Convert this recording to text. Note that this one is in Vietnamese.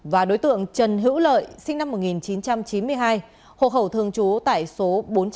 và đối tượng trần hữu lợi sinh năm một nghìn chín trăm chín mươi hai hộ khẩu thương chú tại số bốn trăm ba mươi ba